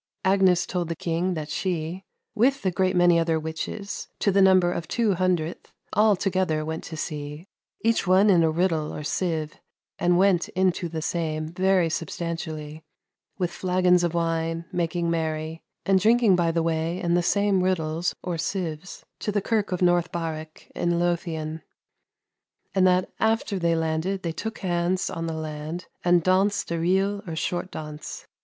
Agnes told the king that she, "with a great many other witches, to the number of two hundreth, all together went to sea, each one in a riddle or cive, and went into the same very substantially, with flaggons of wine, making merrie, and drinking by the way in the same riddles or cives, to the kirke of North Barrick in Lowthian, and that after they landed they tooke hands on the lande and daunced a reill or short daunce."